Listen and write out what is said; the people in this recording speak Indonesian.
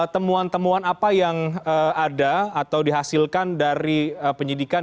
temuan temuan apa yang ada atau dihasilkan dari penyidikan